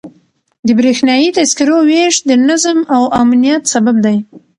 د بریښنایي تذکرو ویش د نظم او امنیت سبب دی.